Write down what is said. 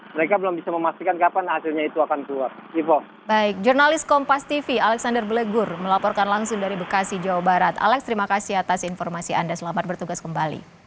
mereka belum bisa memastikan kapan akhirnya itu akan keluar